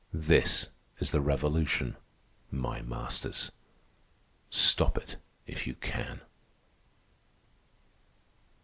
This is the revolution, my masters. Stop it if you can."